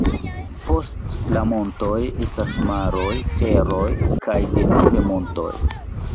Post la montoj estas maroj, teroj kaj denove montoj.